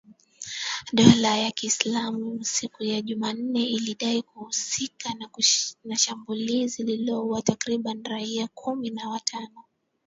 Dola ya Kiislamu siku ya Jumanne ilidai kuhusika na shambulizi lililoua takribani raia kumi na watano.